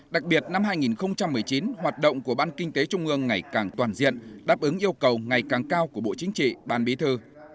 đặc biệt năm hai nghìn một mươi chín hoạt động của ban kinh tế trung ương ngày càng toàn diện đáp ứng yêu cầu ngày càng cao của bộ chính trị ban bí thư